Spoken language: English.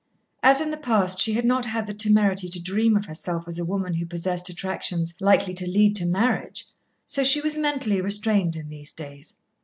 As in the past she had not had the temerity to dream of herself as a woman who possessed attractions likely to lead to marriage, so she was mentally restrained in these days.